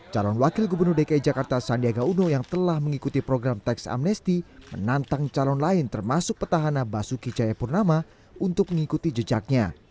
calon wakil gubernur dki jakarta sandiaga uno yang telah mengikuti program teks amnesti menantang calon lain termasuk petahana basuki cayapurnama untuk mengikuti jejaknya